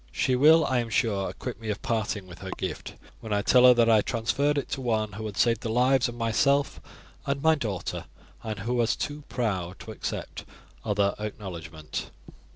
She will, I am sure, acquit me of parting with her gift when I tell her that I transferred it to one who had saved the lives of myself and my daughter, and who was too proud to accept other acknowledgment."